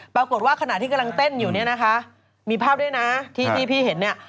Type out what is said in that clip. ปรากฏว่าขณะที่กำลังเต้นอยู่นี่นะคะ